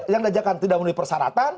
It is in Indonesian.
yang diajarkan tidak memenuhi persyaratan